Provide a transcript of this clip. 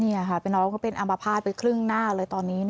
นี่ค่ะเป็นน้องเขาเป็นอัมพาตไปครึ่งหน้าเลยตอนนี้